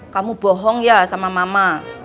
kamu bohong ya sama mama